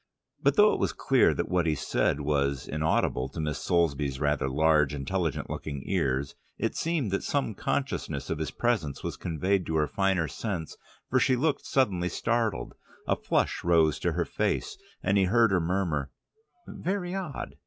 But though it was clear that what he said was inaudible to Miss Soulsby's rather large intelligent looking ears, it seemed that some consciousness of his presence was conveyed to her finer sense, for she looked suddenly startled, a flush rose to her face, and he heard her murmur, "Very odd.